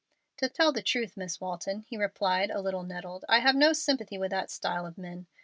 "To tell the truth, Miss Walton," he replied, a little nettled, "I have no sympathy with that style of men.